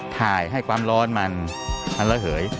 ถ่ายให้ความร้อนมันมันระเหย